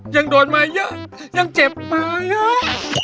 ยังโดนมาเยอะยังเจ็บมาเยอะ